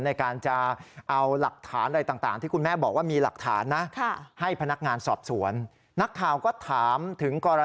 ในการจะเอาหลักฐานอะไรต่าง